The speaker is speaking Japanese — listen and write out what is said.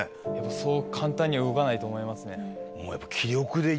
そう簡単には動かないと思い